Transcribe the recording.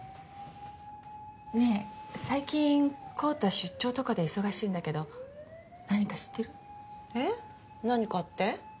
ねぇ最近昂太出張とかで忙しいんだけど何か知ってる？え？何かって？